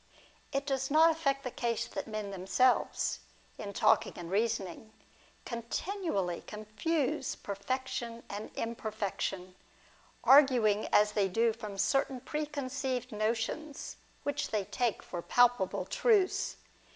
It does not affect the case that men themselves, in talking and reasoning, continually confuse perfection and imperfec tion, arguing as they do from certain preconceived notions, which they take for palpable truths.